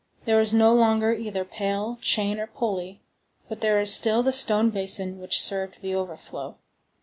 There is no longer either pail, chain, or pulley; but there is still the stone basin which served the overflow.